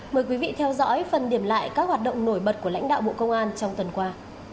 mời quý vị theo dõi phần điểm lại các hoạt động nổi bật của lãnh đạo bộ công an trong tuần qua